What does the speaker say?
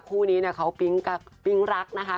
คู่นี้เขาปิ๊งรักนะคะ